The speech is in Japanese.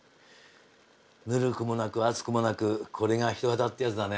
ぬるくもなく熱くもなくこれが人肌ってやつだね。